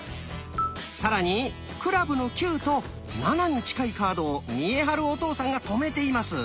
更に「クラブの９」と「７」に近いカードを見栄晴お父さんが止めています。